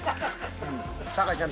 酒井ちゃん